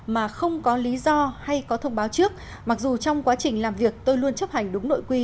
mà không có lý do hay có thông báo trước mặc dù trong quá trình làm việc tôi luôn chấp hành đúng nội quy